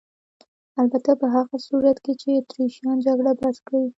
البته په هغه صورت کې چې اتریشیان جګړه بس کړي.